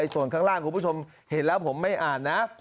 ส่วนข้างล่างคุณผู้ชมเห็นแล้วผมไม่อ่านนะ